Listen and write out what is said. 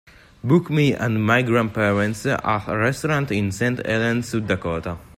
book me and my grandparents a restaurant in Saint Helens South Dakota